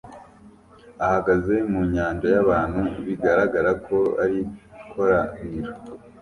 ahagaze mu nyanja yabantu bigaragara ko ari ikoraniro